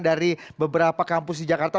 dari beberapa kampus di jakarta